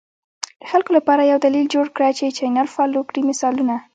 د خلکو لپاره یو دلیل جوړ کړه چې چینل فالو کړي، مثالونه: